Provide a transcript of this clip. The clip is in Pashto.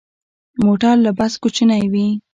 موټر له بس کوچنی وي.